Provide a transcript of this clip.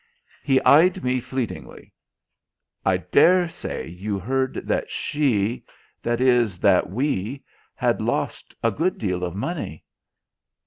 He eyed me fleetingly. "I dare say you heard that she that is, that we had lost a good deal of money."